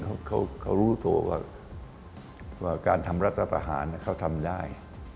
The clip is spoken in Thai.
เขารู้ตัวว่าการทำรัฐประหารเขาทำได้